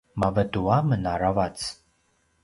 mavetu amen aravac